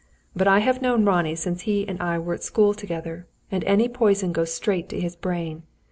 But I have known Ronnie since he and I were at school together, and any poison goes straight to his brain.